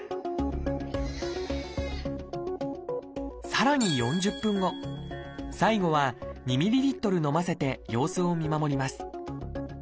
さらに４０分後最後は２ｍＬ飲ませて様子を見守ります。